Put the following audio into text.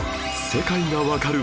『世界がわかる！